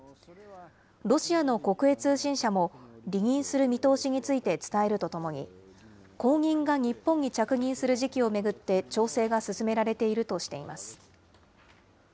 ロシアの国営通信社も離任する見通しについて伝えるとともに、後任が日本に着任する時期を巡って調整が進められているとしています。